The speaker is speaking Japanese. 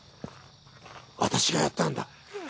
私がやったんだ。